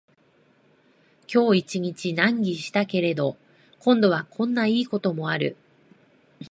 今日一日難儀したけれど、今度はこんないいこともある